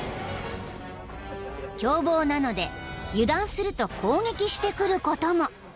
［凶暴なので油断すると攻撃してくることも］